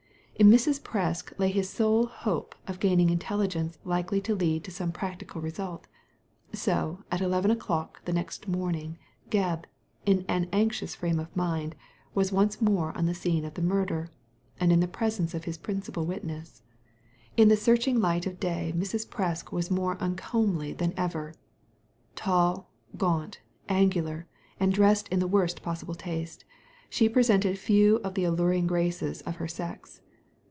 In Mrs. Presk lay his sole hope of gaining intelligence likely to lead to some practical result ; so at eleven o'clock next morning Gebb, in an anxious frame of mind, was once mere on the scene of the murder, and in the presence of his principal witness. In the searching light of day Mrs. Presk was more uncomely than ever. Tall, gaunt, angular, and dressed in the worst possible taste, she presented few of the alluring graces of her sex.